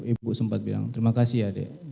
ibu sempat bilang terima kasih ya dek